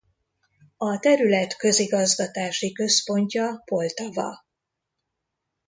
A terület közigazgatási központja Poltava.